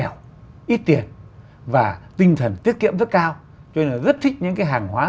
rất thích những cái hàng hóa